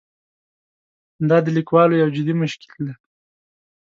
دا د لیکوالو یو جدي مشکل دی.